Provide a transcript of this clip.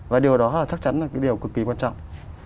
và điều đó chắc chắn là cái điều cực kỳ quan trọng